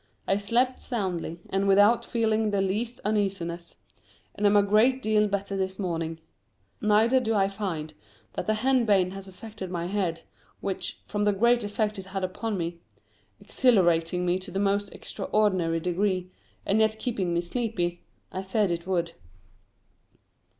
I slept soundly, and without feeling the least uneasiness, and am a great deal better this morning; neither do I find that the henbane has affected my head, which, from the great effect it had upon me exhilarating me to the most extraordinary degree, and yet keeping me sleepy I feared it would.